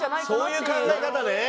そういう考え方ね。